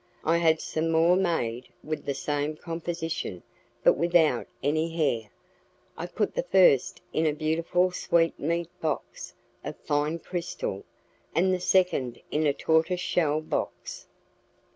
I had some more made with the same composition, but without any hair; I put the first in a beautiful sweetmeat box of fine crystal, and the second in a tortoise shell box.